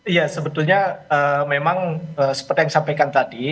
iya sebetulnya memang seperti yang disampaikan tadi